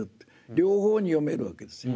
両方に読めるわけですよ。